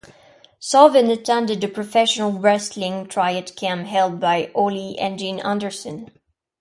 Sarven attended a professional wrestling tryout camp held by Ole and Gene Anderson.